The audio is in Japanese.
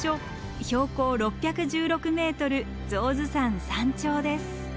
標高６１６ｍ象頭山山頂です。